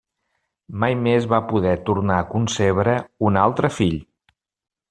Mai més va poder tornar a concebre un altre fill.